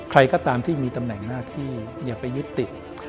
ใครก็ตามที่มีตำแหน่งหน้าที่อย่าไปยึดติด